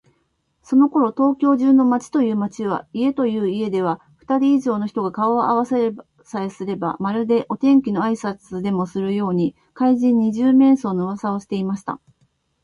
そのころ、東京中の町という町、家という家では、ふたり以上の人が顔をあわせさえすれば、まるでお天気のあいさつでもするように、怪人「二十面相」のうわさをしていました。